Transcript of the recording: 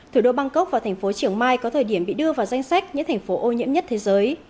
thủ đô bangkok và thành phố chiều mai có thời điểm bị đưa vào danh sách những thành phố ô nhiễm nhất thế giới